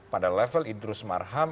pada level idrus marham